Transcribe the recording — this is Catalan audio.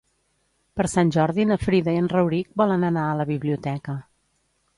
Per Sant Jordi na Frida i en Rauric volen anar a la biblioteca.